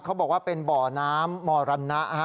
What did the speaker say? เขาบอกว่าเป็นบ่อน้ำมรณะ